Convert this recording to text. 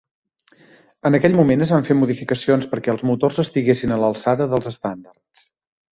En aquell moment es van fer modificacions perquè els motors estiguessin a l'alçada dels estàndards.